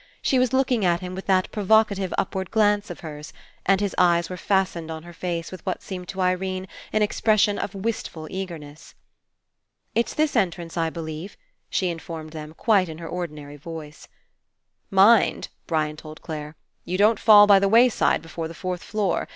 She was looking at him with that provocative upward glance of hers, and his eyes were fas tened on her face with what seemed to Irene an expression of wistful eagerness. "It's this entrance, I believe," she In formed them in quite her ordinary voice. 204 FINALE ''Mind," Brian told Clare, "you don't fall by the wayside before the fourth floor.